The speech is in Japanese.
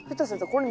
これ？